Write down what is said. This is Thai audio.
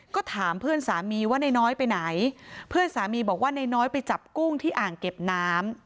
ก็ถามเพื่อนสามีว่านายน้อยไปไหนเพื่อนสามีบอกว่านายน้อยไปจับกุ้งที่อ่างเก็บน้ำ